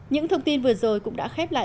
những thông tin vừa rồi cũng đã khép lại